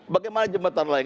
bagaimana jembatan lain